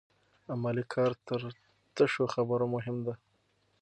عملي کار تر تشو خبرو مهم دی.